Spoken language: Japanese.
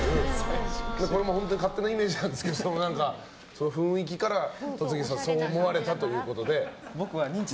本当に勝手なイメージなんですけど雰囲気から、戸次さんそう思われたということで。